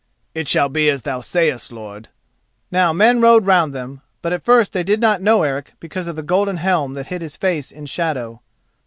"It shall be as thou sayest, lord." Now men rode round them, but at first they did not know Eric, because of the golden helm that hid his face in shadow.